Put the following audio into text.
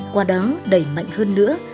qua đó đẩy mạnh hơn nữa